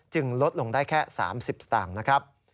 ลดลงได้แค่๓๐สตางค์นะครับ